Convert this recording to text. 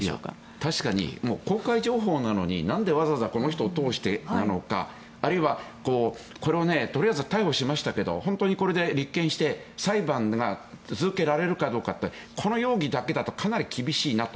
確かに、公開情報なのになんでわざわざこの人を通してなのかあるいは、これをとりあえず逮捕しましたが本当にこれで立件して裁判が続けられるかってこの容疑だけだとかなり厳しいなと。